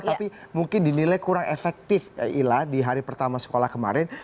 tapi mungkin dinilai kurang efektif ila di hari pertama sekolah kemarin